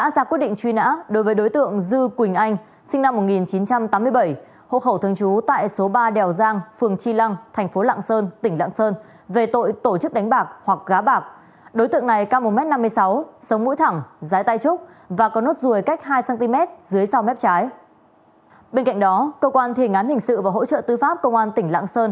ra quy định xử phạt vi phạm các đối tượng khác với số tiền gần hai trăm linh triệu đồng